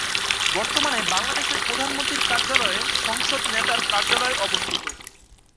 বর্তমানে বাংলাদেশের প্রধানমন্ত্রীর কার্যালয়ে সংসদ নেতার কার্যালয় অবস্থিত।